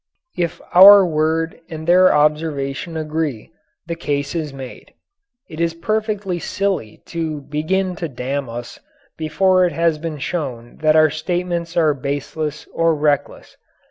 If our word and their observation agree, the case is made. It is perfectly silly to begin to damn us before it has been shown that our statements are baseless or reckless.